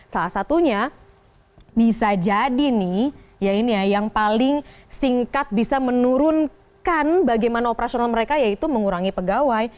salah satunya bisa jadi nih ya ini ya yang paling singkat bisa menurunkan bagaimana operasional mereka yaitu mengurangi pegawai